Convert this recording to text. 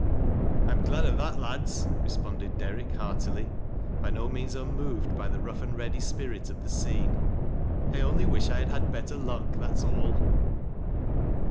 I'm glad of tJiat lads," responded Derrick, heariily, bj m THE PIT 227 no meaus unmoved by the rough and ready spirit of th« icene. " I only wish I had had better luck, that's all."